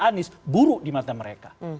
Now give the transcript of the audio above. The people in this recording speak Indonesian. anies buruk di mata mereka